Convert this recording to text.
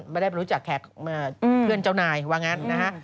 ไม่ได้รู้จักแขกเพื่อนเจ้านายว่างั้นนะฮะ